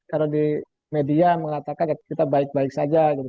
kalau di media mengatakan kita baik baik saja gitu